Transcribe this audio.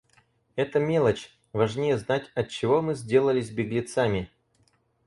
Это мелочь. Важнее знать, отчего мы сделались беглецами?